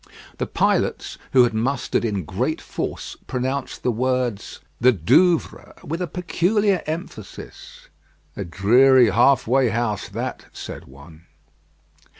The pilots, who had mustered in great force, pronounced the words "The Douvres" with a peculiar emphasis. "A dreary half way house that," said one.